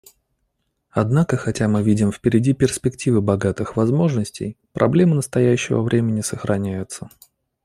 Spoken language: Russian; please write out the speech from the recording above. Однако хотя мы видим впереди перспективы богатых возможностей, проблемы настоящего времени сохраняются.